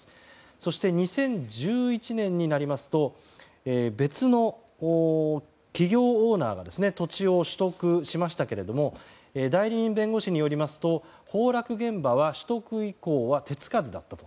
そして、２０１１年になりますと別の企業オーナーが土地を取得しましたけれども代理人弁護士によりますと崩落現場は取得以降は手つかずだったと。